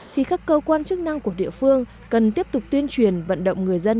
thì các cơ quan chức năng của địa phương cần tiếp tục tuyên truyền vận động người dân